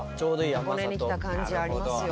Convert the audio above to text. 箱根に来た感じありますよ。